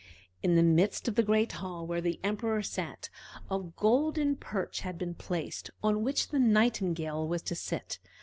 In the midst of the great hall, where the Emperor sat, a golden perch had been placed, on which the Nightingale was to sit.